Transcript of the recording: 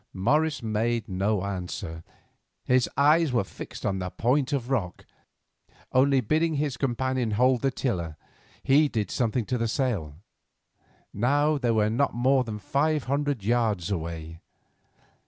Morris made no answer, his eyes were fixed upon the point of rock; only bidding his companion hold the tiller, he did something to the sail. Now they were not more than five hundred yards away.